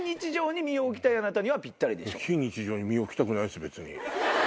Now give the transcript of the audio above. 非日常に身置きたくないです別に。